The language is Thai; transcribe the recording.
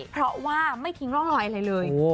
เพราะว่าไม่ทิ้งร่องรอยอะไรเลย